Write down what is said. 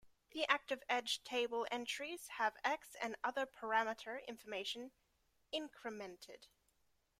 The active edge table entries have X and other parameter information incremented.